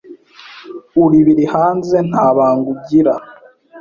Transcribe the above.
uri biri hanze ntabanga ugira.